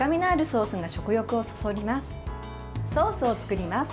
ソースを作ります。